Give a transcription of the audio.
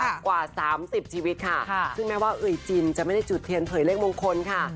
กว่าสามสิบชีวิตค่ะซึ่งแม้ว่าเอ่ยจินจะไม่ได้จุดเทียนเผยเลขมงคลค่ะ